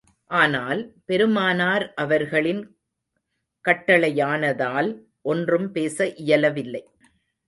ஆனால், பெருமானார் அவர்களின் கட்டளையானதால், ஒன்றும் பேச இயலவில்லை.